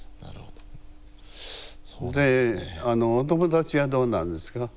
でお友達はどうなんですか？